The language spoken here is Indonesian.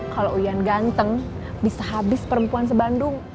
kalau uyan ganteng bisa habis perempuan sebandung